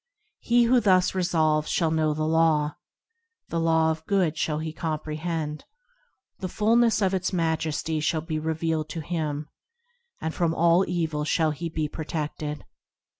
He who thus resolves shall know the Law, The Law of Good shall he comprehend ; The fulness of its majesty shall be revealed to him, And from all evil shall he be protected.